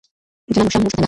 جانان مو شمع موږ پتنګان یو